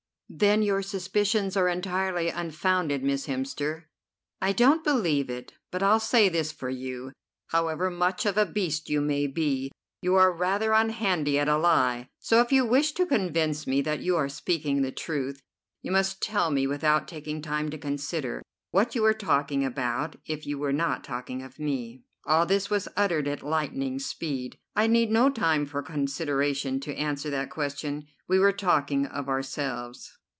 "Then your suspicions are entirely unfounded, Miss Hemster." "I don't believe it, but I'll say this for you; however much of a beast you may be, you are rather unhandy at a lie; so if you wish to convince me that you are speaking the truth, you must tell me, without taking time to consider, what you were talking about if you were not talking of me." All this was uttered at lightning speed. "I need no time for consideration to answer that question. We were talking of ourselves."